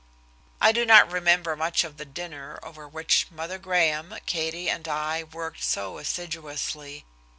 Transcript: I do not remember much of the dinner over which Mother Graham, Katie and I had worked so assiduously.